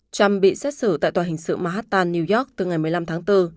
trump bị xét xử tại tòa hình sự mahatan new york từ ngày một mươi năm tháng bốn